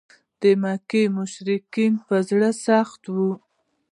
د مکې مشرکان په زړه سخت و.